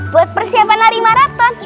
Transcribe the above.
buat persiapan hari maraton